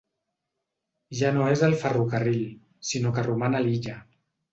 Ja no és al ferrocarril, sinó que roman a l'illa.